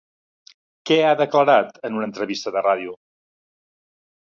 Què ha declarat en una entrevista de ràdio?